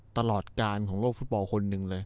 ตลอดการของโลกฟุตบอลคนหนึ่งเลย